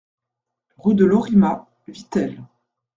Rue de Lorima, Vittel